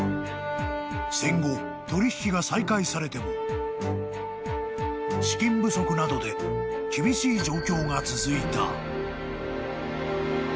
［戦後取引が再開されても資金不足などで厳しい状況が続いた］